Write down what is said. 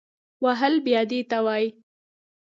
وهل بیا دې ته وایي